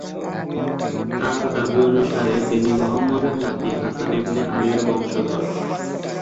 তার দাবি অনুসারে তিনি মুহাম্মাদের নাতি হাসান ইবনে আলির বংশধর।